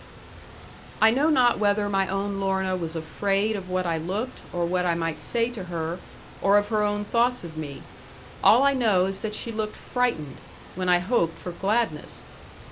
I know not whether my own Lorna was afraid of what I looked, or what I might say to her, or of her own thoughts of me; all I know is that she looked frightened, when I hoped for gladness.